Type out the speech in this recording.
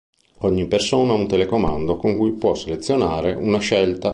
Ogni persona ha un telecomando con cui può selezionare una scelta.